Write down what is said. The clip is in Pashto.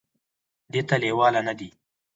دې ته لېواله نه دي ،